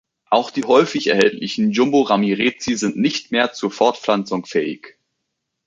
Auch die häufig erhältlichen „Jumbo-Ramirezi“ sind nicht mehr zur Fortpflanzung fähig.